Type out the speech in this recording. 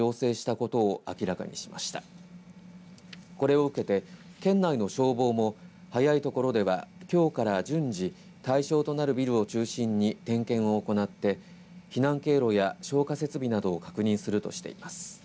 これを受けて、県内の消防も早いところでは、きょうから順次対象となるビルを中心に点検を行って、避難経路や消火設備などを確認するとしています。